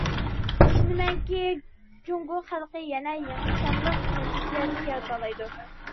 ئىشىنىمەنكى جۇڭگو خەلقى يەنە يېڭى شانلىق نەتىجىلەرنى يارىتالايدۇ.